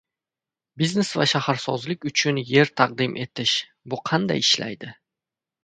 Biznes va shaharsozlik uchun yer taqdim etish. Bu qanday ishlaydi?